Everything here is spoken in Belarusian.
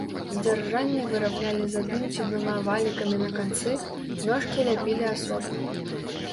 Дзяржанне выраблялі з адным ці двума валікамі на канцы, ножкі ляпілі асобна.